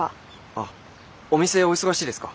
あお店お忙しいですか？